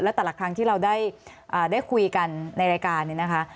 และแต่หลักทางที่เราได้คุยกันในรายการ